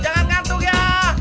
jangan kartuk ya